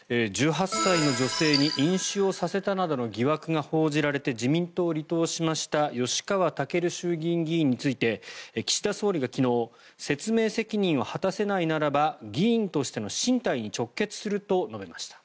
１８歳の女性に飲酒をさせたなどの疑惑が報じられて自民党を離党しました吉川赳衆議院議員について岸田総理が昨日説明責任を果たせないならば議員としての進退に直結すると述べました。